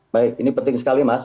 baik ini penting sekali mas